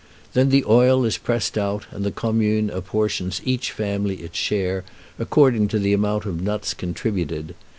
Then the oil is pressed out, and the commune apportions each family its share, according to the amount of nuts contributed.